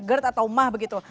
gerd atau mah begitu